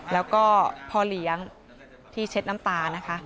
แล้วก็พ่อเลี้ยงที่เช็ดน้ำตานะคะ